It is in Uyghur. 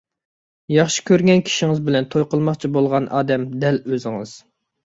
ياخشى كۆرگەن كىشىڭىز بىلەن توي قىلماقچى بولغان ئادەم دەل ئۆزىڭىز!